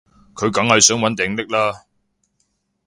佢梗係想搵掟匿喇